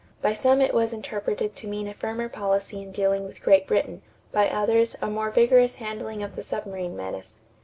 By some it was interpreted to mean a firmer policy in dealing with Great Britain; by others, a more vigorous handling of the submarine menace.